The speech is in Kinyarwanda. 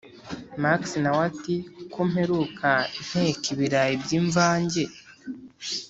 max nawe ati: ko mperuka nteka ibirayi byimvange,